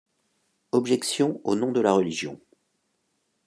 Objections au nom de la religion.